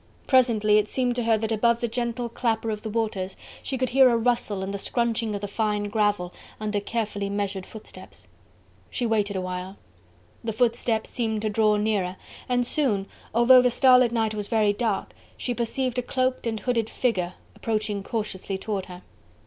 Presently it seemed to her that above the gentle clapper of the waters she could hear a rustle and the scrunching of the fine gravel under carefully measured footsteps. She waited a while. The footsteps seemed to draw nearer, and soon, although the starlit night was very dark, she perceived a cloaked and hooded figure approaching cautiously toward her.